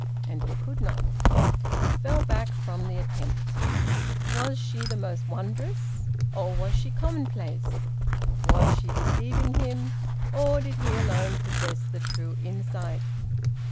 And he could not. He fell back from the attempt. Was she the most wondrous? Or was she commonplace? Was she deceiving him? Or did he alone possess the true insight?